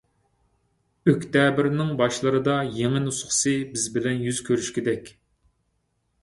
ئۆكتەبىرنىڭ باشلىرىدا يېڭى نۇسخىسى بىز بىلەن يۈز كۆرۈشكۈدەك!